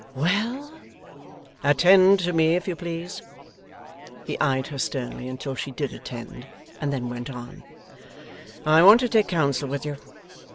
'Well?' 'Attend to me, if you please.' He eyed her sternly until she did attend, and then went on. 'I want to take counsel with you.